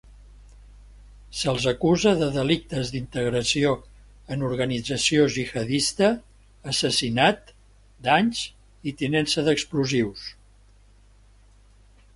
Se'ls acusa de delictes d'integració en organització gihadista, assassinat, danys i tinença d'explosius.